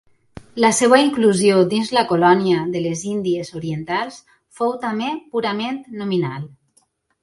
La seva inclusió dins la colònia de les Índies Orientals fou també purament nominal.